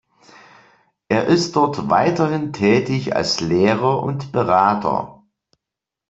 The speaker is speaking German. Er ist dort weiterhin tätig als Lehrer und Berater.